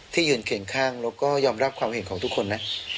ยืนเคียงข้างแล้วก็ยอมรับความเห็นของทุกคนนะ